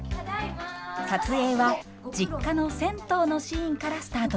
撮影は実家の銭湯のシーンからスタートしました。